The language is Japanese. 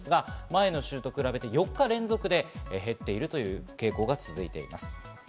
前の週と比べて４日連続で減っているという傾向が続いています。